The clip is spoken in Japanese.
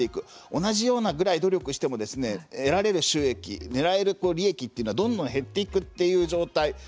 同じようなぐらい努力しても得られる収益狙える利益というのはどんどん減っていくと。